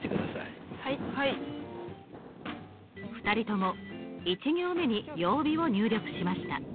２人とも１行目に「曜日」を入力しました。